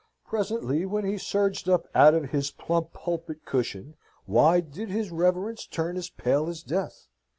Presently, when he surged up out of his plump pulpit cushion, why did his Reverence turn as pale as death?